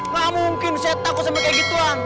gak mungkin saya takut sama kayak gituan